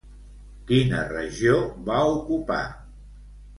Quina regió va ocupar?